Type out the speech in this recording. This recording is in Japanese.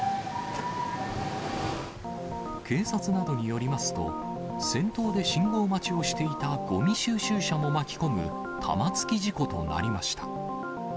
警察などによりますと、先頭で信号待ちをしていたごみ収集車も巻き込む玉突き事故となりました。